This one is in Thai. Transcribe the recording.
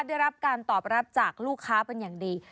ได้รับการตอบรับจากลูกค้าเป็นอย่างดี